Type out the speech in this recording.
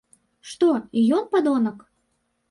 Што, і ён падонак?